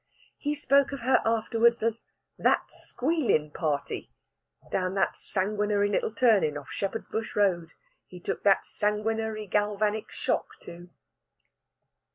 He spoke of her afterwards as that squealing party down that sanguinary little turning off Shepherd's Bush Road he took that sanguinary galvanic shock to.